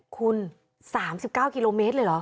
คุณ๓๙กิโลเมตรเลยเหรอ